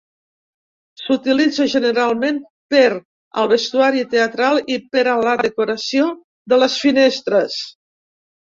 S'utilitza generalment per al vestuari teatral i per a la decoració de les finestres.